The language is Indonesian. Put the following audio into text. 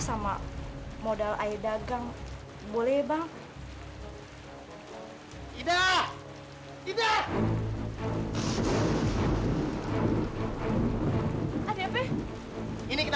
kan ada kakek yang jagain lala